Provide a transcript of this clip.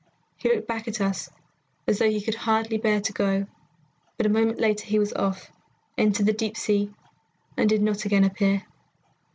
He looked back at us as though he could hardly bear to go, but a moment later he was off, entered the deep sea, and did not again appear.